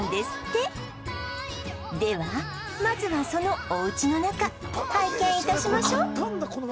ではまずはそのお家の中拝見致しましょう